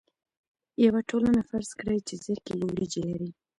یوه ټولنه فرض کړئ چې زر کیلو وریجې لري.